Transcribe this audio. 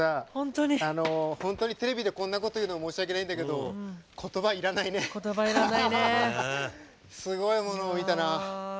本当にテレビでこんなこというの申し訳ないんだけど言葉いらないね。すごいものを見たな。